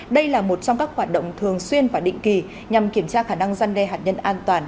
đây là một trong các hoạt động thường xuyên và định kỳ nhằm kiểm tra khả năng dân đe hạt nhân an toàn